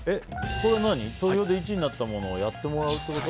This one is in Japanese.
投票で１位になったものやってもらうってこと？